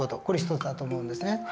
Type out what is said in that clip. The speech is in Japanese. これ一つだと思うんですね。